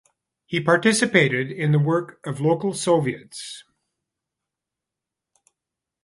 He participated in the work of local soviets.